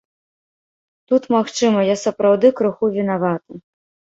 Тут, магчыма, я сапраўды крыху вінаваты.